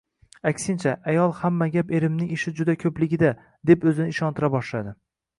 Aksincha, ayol hamma gap erimning ishi juda ko‘pligida, deb o‘zini ishontira boshlaydi.